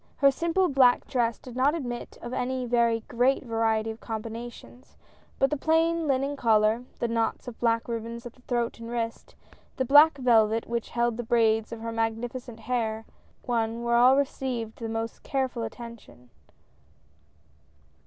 Her simple black dress did not admit of any very great variety of combinations, but the plain linen collar, the knots of black ribbon at throat and wrist, the black velvet which held the braids of her magnificent hair, one and all received the most careful attention.